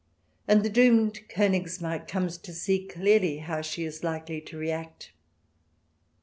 And the doomed Konigs marck comes to see clearly how she is likely to react.